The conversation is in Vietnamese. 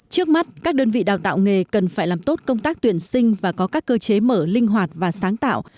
trước mắt các đơn vị đào tạo nghề cần phải làm tốt công tác tuyển sinh và có các cơ chế mở linh hoạt và sáng tạo